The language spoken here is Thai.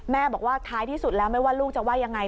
บอกว่าท้ายที่สุดแล้วไม่ว่าลูกจะว่ายังไง